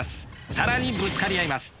更にぶつかり合います。